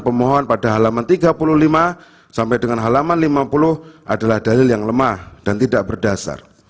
pemohon pada halaman tiga puluh lima sampai dengan halaman lima puluh adalah dalil yang lemah dan tidak berdasar